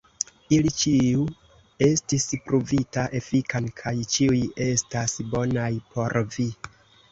Ili ĉiu estis pruvita efikan kaj ĉiuj estas bonaj por vi.